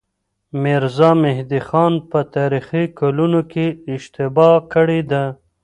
ميرزا مهدي خان په تاريخي کلونو کې اشتباه کړې ده.